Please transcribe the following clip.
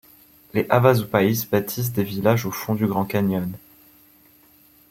Les Havasupais bâtissent des villages au fond du Grand Canyon.